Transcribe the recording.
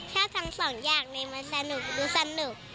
ถ้าทั้งสองอย่างเลยมันสนุกดูสนุก